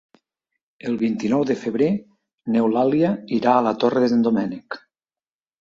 El vint-i-nou de febrer n'Eulàlia irà a la Torre d'en Doménec.